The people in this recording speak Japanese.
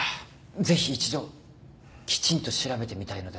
ぜひ一度きちんと調べてみたいのですが。